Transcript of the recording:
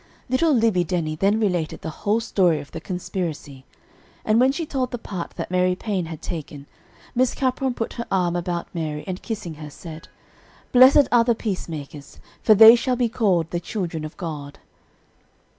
Little Libbie Denny then related the whole story of the conspiracy, and when she told the part that Mary Paine had taken, Miss Capron put her arm about Mary, and kissing her, said, "Blessed are the peacemakers, for they shall be called the children of God."